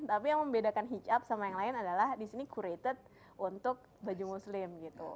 tapi yang membedakan hijab sama yang lain adalah disini curated untuk baju muslim gitu